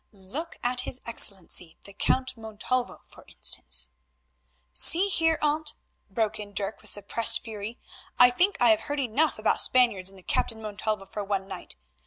Look at his Excellency, the Count Montalvo, for instance——" "See here, aunt," broke in Dirk with suppressed fury, "I think I have heard enough about Spaniards and the Captain Montalvo for one night.